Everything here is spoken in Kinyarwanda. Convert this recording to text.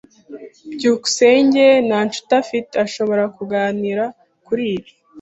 byukusenge nta nshuti afite ashobora kuganira kuri ibi.